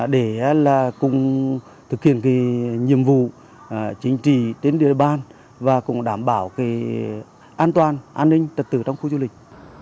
để là cũng thực hiện cái nhiệm vụ chính trị đến địa bàn và cũng đảm bảo cái an toàn an ninh trật tự trong khu du lịch